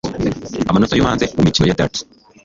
amanota yo hanze mumikino ya Darts